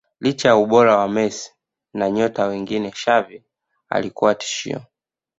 Licha ya ubora wa Messi na nyota wengine Xavi alikuwa tishio